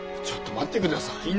ちょっと待って下さい。